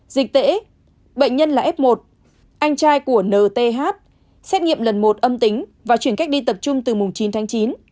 dịch tễ bệnh nhân là f một anh trai của nth xét nghiệm lần một âm tính và chuyển cách ly tập trung từ mùng chín tháng chín